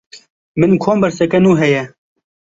Min komberseke nû heye.